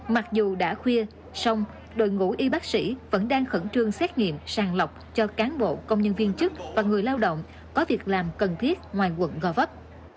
mặc dù đã khuya song đội ngũ y bác sĩ vẫn đang khẩn trương xét nghiệm sàng lọc cho cán bộ công nhân viên chức và người lao động có việc làm cần thiết ngoài quận gò vấp